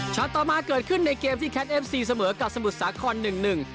ต่อมาเกิดขึ้นในเกมที่แคทเอฟซีเสมอกับสมุทรสาครหนึ่งหนึ่ง